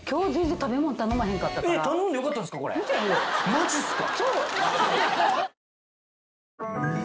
マジっすか。